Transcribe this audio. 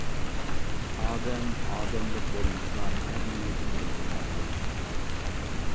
ئادەم ئادەمدەك بولمىسا، ھەر نېمە دېگىلى بولمايدۇ.